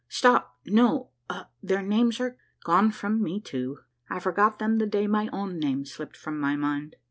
Stop ! no, their names are gone from me too, I forgot them the day my own name slipped from my mind